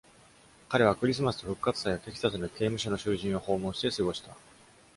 彼はクリスマスと復活祭をテキサスの刑務所の囚人を訪問して過ごした。